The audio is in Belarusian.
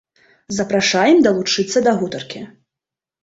Запрашаем далучыцца да гутаркі.